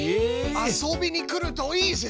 「遊びに来るといいぜ」。